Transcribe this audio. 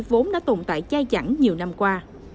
vốn đã tồn tại chai chẳng nhiều năm qua